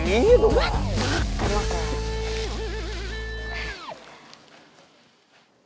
iya gua masak